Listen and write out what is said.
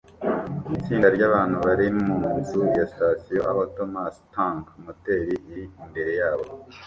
Itsinda ryabantu bari munzu ya sitasiyo aho Thomas Tank Moteri iri imbere yabo